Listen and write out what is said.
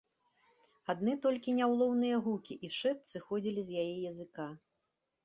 Адны толькі няўлоўныя гукі і шэпт сыходзілі з яе языка.